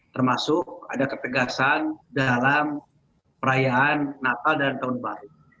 termasuk ada ketegasan dalam perayaan natal dan tahun baru